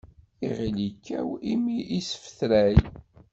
Iɣil ikkaw, immi isfetray.